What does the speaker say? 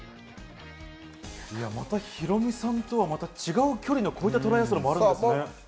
またヒロミさんとは違う距離の、こういったトライアスロンもあるですね。